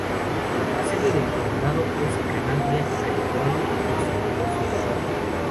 La sede del condado es Canadian, al igual que su mayor ciudad.